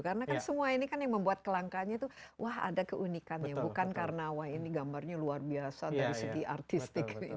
karena kan semua ini kan yang membuat kelangkaannya tuh wah ada keunikannya bukan karena wah ini gambarnya luar biasa dari segi artistik